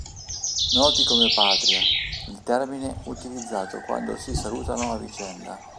Noti come "Patria", il termine utilizzato quando si salutano a vicenda.